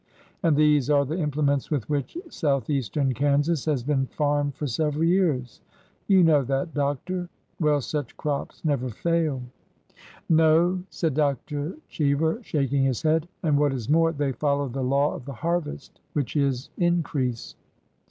And these are the implements with which southeastern Kansas has been farmed for several years 1 You know that. Doctor. Well, such crops never fail.'' '' No," said Dr. Cheever, shaking his head ;'' and what is more, they follow the law of the harvest — which is increase."